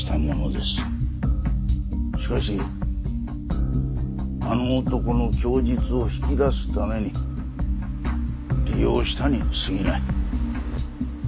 しかしあの男の供述を引き出すために利用したに過ぎない。